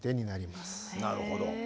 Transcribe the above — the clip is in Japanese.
なるほど。